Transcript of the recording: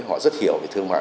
họ rất hiểu về thương mại